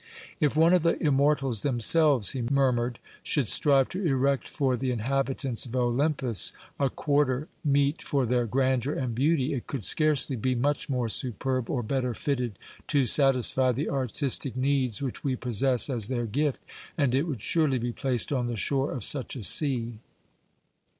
"If one of the immortals themselves," he murmured, "should strive to erect for the inhabitants of Olympus a quarter meet for their grandeur and beauty, it could scarcely be much more superb or better fitted to satisfy the artistic needs which we possess as their gift, and it would surely be placed on the shore of such a sea."